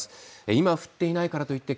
今降っていないからといって